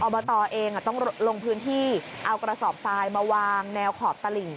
บตเองต้องลงพื้นที่เอากระสอบทรายมาวางแนวขอบตลิ่ง